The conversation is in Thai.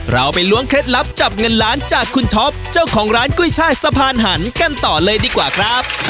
เราไปล้วงเคล็ดลับจับเงินล้านจากคุณท็อปเจ้าของร้านกุ้ยช่ายสะพานหันกันต่อเลยดีกว่าครับ